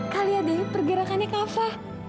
kali ada pergerakannya kava